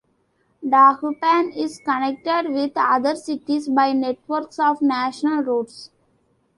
Dagupan is connected with other cities by networks of national roads.